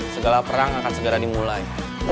segala perang akan segera dimulai